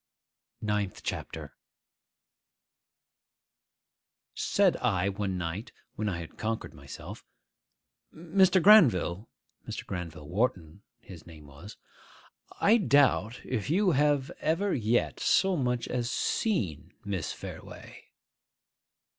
NINTH CHAPTER SAID I, one night, when I had conquered myself, 'Mr. Granville,'—Mr. Granville Wharton his name was,—'I doubt if you have ever yet so much as seen Miss Fareway.